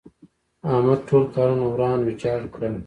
احمد ټول کارونه وران ويجاړ کړل.